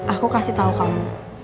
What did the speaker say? aku kasih tau kamu